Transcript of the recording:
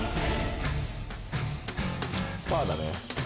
パーだね。